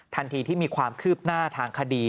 ทันทีที่มีความคืบหน้าทางคดี